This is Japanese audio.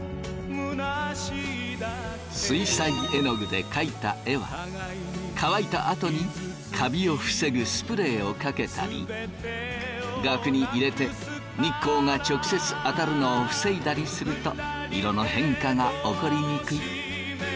水彩えのぐで描いた絵は乾いたあとにカビを防ぐスプレーをかけたり額に入れて日光が直接当たるのを防いだりすると色の変化が起こりにくい。